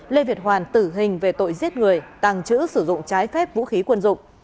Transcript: lê việt hoàn tử hình về tội giết người tàng trữ sử dụng trái phép vũ khí quân dụng